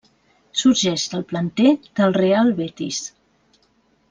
Sorgeix del planter del Real Betis.